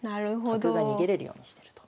角が逃げれるようにしてると。